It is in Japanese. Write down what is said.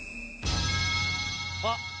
あっ！